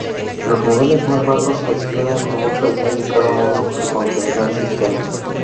Los niveles más bajos, describen, con mucho detalle, cada módulo que contendrá el sistema.